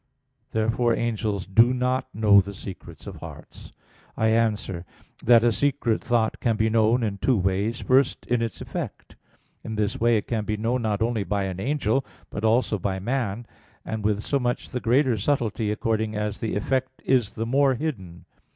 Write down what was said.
Therefore angels do not know the secrets of hearts. I answer that, A secret thought can be known in two ways: first, in its effect. In this way it can be known not only by an angel, but also by man; and with so much the greater subtlety according as the effect is the more hidden.